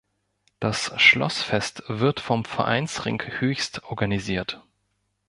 Das Schlossfest wird vom "Vereinsring Höchst" organisiert.